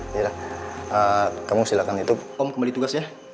yaudah kamu silakan itu om kembali tugas ya